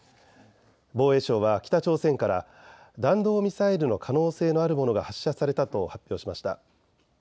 防衛省は北朝鮮から弾道ミサイルの可能性のあるものが発射されたと発表しました。